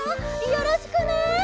よろしくね！